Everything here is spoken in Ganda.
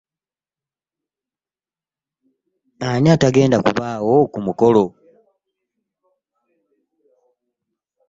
Ani atagenda kubaawo kumukolo?